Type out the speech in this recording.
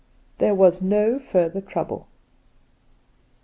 There was no further trouble.